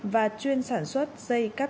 và chuyên sản xuất dây cáp